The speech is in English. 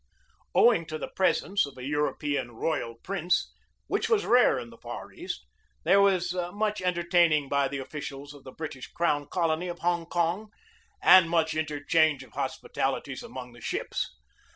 Owing to the presence of a European royal prince, which was rare in the Far East, there was much entertaining by the officials of the British crown colony of Hong Kong and much interchange of hospi talities among the ships.